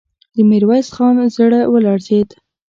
د ميرويس خان زړه ولړزېد.